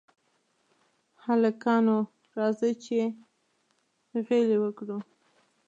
هلکانو! راځئ چې غېلې وکړو.